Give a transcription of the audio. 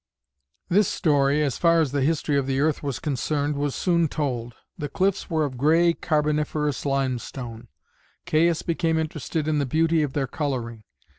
This story, as far as the history of the earth was concerned, was soon told; the cliffs were of gray carboniferous limestone. Caius became interested in the beauty of their colouring.